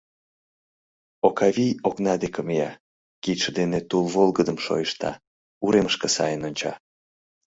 Окавий окна деке мия, кидше дене тул волгыдым шойышта, уремышке сайын онча.